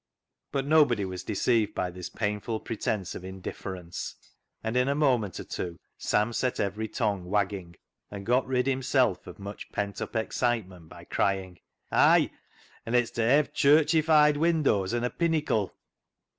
But nobody was deceived by this painful pre tence of indifference, and in a moment or two Sam set every tongue wagging, and got rid himself of much pent up excitement by crying —" Ay ! an' it's ta hev' churchified windows, an' a pinnicle."